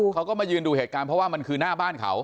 เขาก็มายืนดูเหตุการณ์เพราะว่ามันคือหน้าบ้านเขา